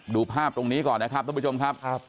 ดูภาพตรงนี้ก่อนนะครับท่านผู้ชมครับ